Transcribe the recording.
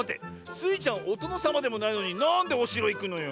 スイちゃんおとのさまでもないのになんでおしろいくのよ。